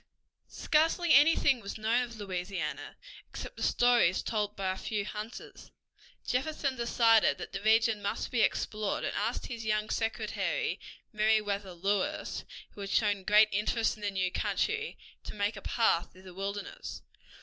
Scarcely anything was known of Louisiana, except the stories told by a few hunters. Jefferson decided that the region must be explored, and asked his young secretary, Meriwether Lewis, who had shown great interest in the new country, to make a path through the wilderness.